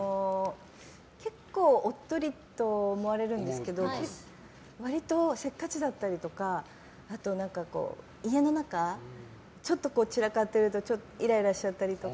結構、おっとりと思われるんですけど割とせっかちだったりとかあと、家の中ちょっと散らかってるとちょっとイライラしちゃったりとか。